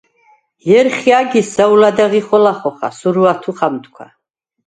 ჲერხ’ა̈გის ზაუ̂ლადა̈ღი ხოლა ხოხა: სურუ ა̈თუ ხა̈მთქუ̂ა.